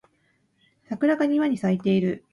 桜が庭に咲いている